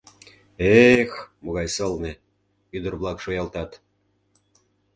— Э-э-эх, могай сылне! — ӱдыр-влак шуялтат.